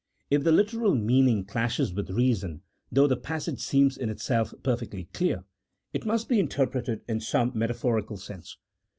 If the literal meaning clashes with reason, though the passage seems in itself perfectly clear, it must be interpreted in some metaphorical sense.